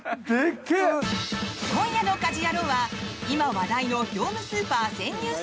今夜の「家事ヤロウ！！！」は今話題の業務スーパー潜入